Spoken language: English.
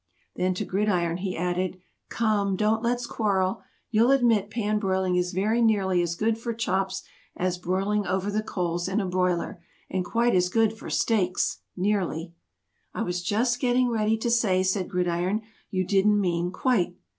Then to Gridiron he added, "Come, don't let's quarrel, you'll admit pan broiling is very nearly as good for chops as broiling over the coals in a broiler, and quite as good for steaks nearly." [Illustration: "That's it!"] "I was just getting ready to say," said Gridiron, "you didn't mean 'quite.'"